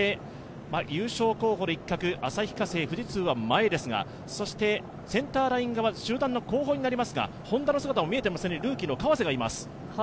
優勝候補の一角、旭化成、富士通は前ですが、センターライン側、集団後方にＨｏｎｄａの姿も見えています、ルーキーの川瀬がいます。